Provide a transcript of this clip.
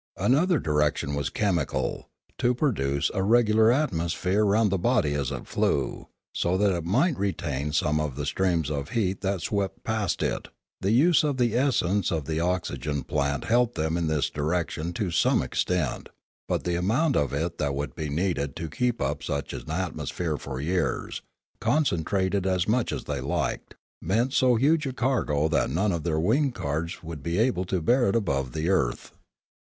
Another direction was chemical, — to produce a regular atmosphere round the body as it flew, so that it might retain some of the streams of heat that swept past it ; the use of the essence of the oxygen plant helped them in this direction to some extent: but the amount of it that would be needed to keep up such an atmosphere for years, concentrate it as much as they liked, meant so huge a cargo that none of their winged cars would be able to bear it above the earth.